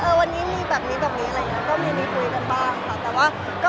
คุยคะวันนี้มีแบบนี้แบบนี้ไรก็มีคุยกันบ้างค่ะ